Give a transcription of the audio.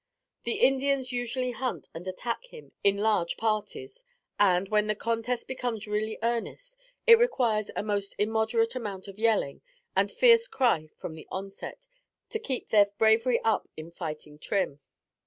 The Indians usually hunt and attack him in large parties; and, when the contest becomes really earnest, it requires a most immoderate amount of yelling, and fierce cry for the onset, to keep their bravery up in fighting trim.